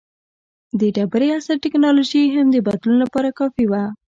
د ډبرې عصر ټکنالوژي هم د بدلون لپاره کافي وه.